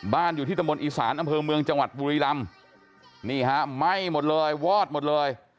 อยู่ที่ตำบลอีสานอำเภอเมืองจังหวัดบุรีรำนี่ฮะไหม้หมดเลยวอดหมดเลย